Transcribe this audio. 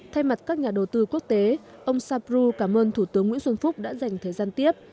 thay mặt các nhà đầu tư quốc tế ông sabrou cảm ơn thủ tướng nguyễn xuân phúc đã dành thời gian tiếp